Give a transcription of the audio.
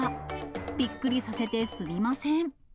びっくりさせてすみません。